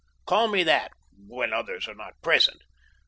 Call me that when others are not present.